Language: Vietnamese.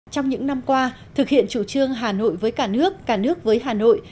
trong những năm qua thực hiện chủ trương hà nội với cả nước cả nước với hà nội